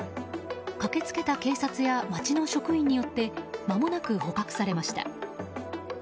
駆けつけた警察や町の職員によってまもなく捕獲されました。